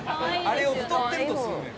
あれを太ってるとすんねん。